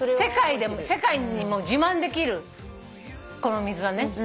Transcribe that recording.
世界にも自慢できるこの水はね。